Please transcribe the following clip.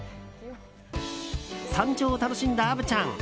山頂を楽しんだ虻ちゃん。